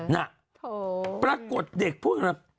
น่ะปรากฏเด็กพูดอย่างนั้น